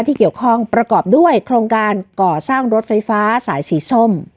ที่เกี่ยวข้องประกอบด้วยโครงการก่อสร้างรถไฟฟ้าสายสีส้ม